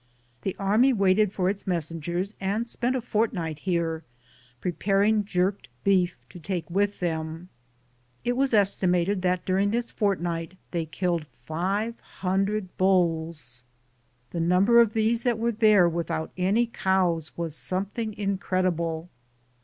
The army waited for its messengers and spent a fortnight here, preparing jerked beef to take with them. It was estimated that during this fortnight they killed 500 bulls. The number of these that were there without any cows was something incredible.